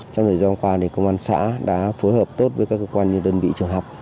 trong thời gian qua công an xã đã phối hợp tốt với các cơ quan như đơn vị trường học